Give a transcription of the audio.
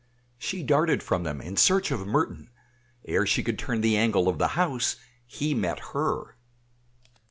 She darted from them in search of Merton; ere she could turn the angle of the house he met her.